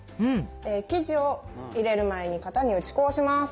生地を入れる前に型に打ち粉をします。